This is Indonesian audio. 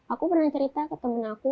aku pernah cerita ke temen aku